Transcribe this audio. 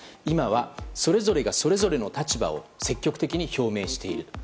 今はそれぞれがそれぞれの立場を積極的に表明している。